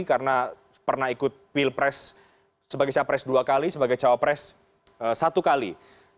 karena pernah ikut pilpres sebagai capres dua kali sebagai cawapres satu kali